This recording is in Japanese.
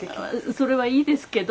それはいいですけど。